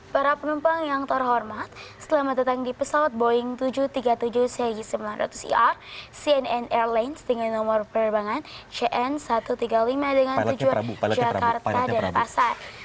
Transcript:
para penumpang yang terhormat selamat datang di pesawat boeing tujuh ratus tiga puluh tujuh cy sembilan ratus er cnn airlines dengan nomor penerbangan cn satu ratus tiga puluh lima dengan tujuan jakarta dan pasar